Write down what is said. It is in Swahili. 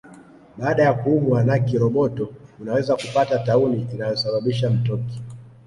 Baada ya kuumwa na kiroboto unaweza kupata tauni inayosababisha mtoki